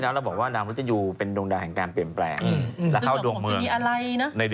เรื่องดาวมนุษย์จะอยู่